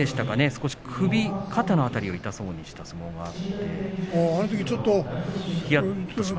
少し首、肩の辺りを痛そうにした相撲があって。